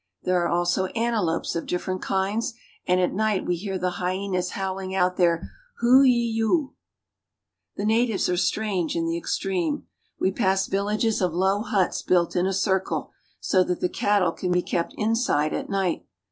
There are also antelopes of different kinds, and at night we hear the hyenas howling out their hoo yee yoo ! The natives are strange in the extreme. We pass vil lages of low huts built in a circle, so that the cattle can be kept inside at night.